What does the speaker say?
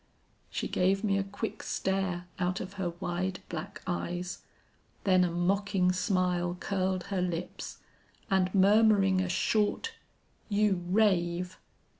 "She gave me a quick stare out of her wide black eyes, then a mocking smile curled her lips, and murmuring a short, 'You rave!'